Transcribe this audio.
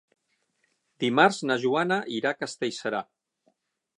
Dimarts na Joana irà a Castellserà.